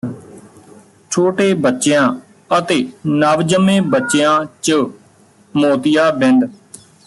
ਛੋਟੇ ਬੱਚਿਆਂ ਅਤੇ ਨਵਜੰਮੇ ਬੱਚਿਆਂ ਚ ਮੋਤੀਆਬਿੰਦ